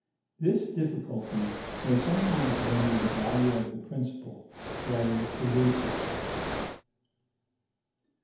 This difficulty may sometimes render the value of the principle rather illusory.